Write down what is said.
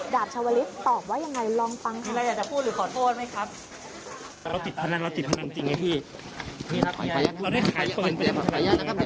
ดาบชาวฤทธิ์ตอบว่าอย่างไรลองฟังค่ะ